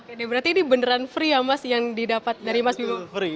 oke berarti ini beneran free ya mas yang didapat dari mas bima